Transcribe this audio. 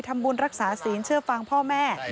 ทำบุญรักษาศีลเชื่อฟังพ่อแม่